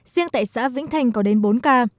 riêng tại xã vĩnh thanh có đến bốn ca